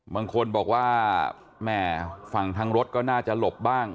บางคนบอกว่าแม่ฝั่งทางรถก็น่าจะหลบบ้าง